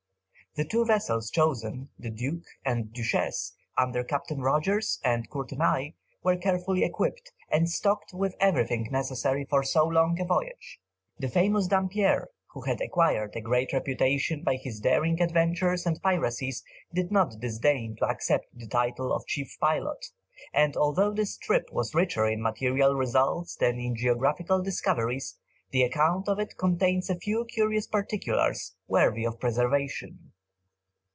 The two vessels chosen, the Duke and Duchess, under Captains Rogers and Courtenay, were carefully equipped, and stocked with everything necessary for so long a voyage, the famous Dampier, who had acquired a great reputation by his daring adventures and piracies, did not disdain to accept the title of chief pilot, and although this trip was richer in material results than in geographical discoveries, the account of it contains a few curious particulars worthy of preservation.